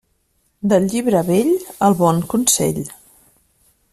Del llibre vell, el bon consell.